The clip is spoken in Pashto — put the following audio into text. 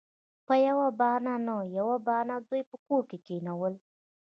پـه يـوه بهـانـه نـه يـوه بهـانـه دوي پـه کـور کېـنول.